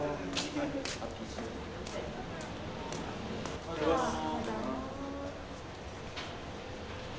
おはようございます。